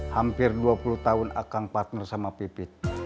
hampir dua puluh tahun akang partner sama pipit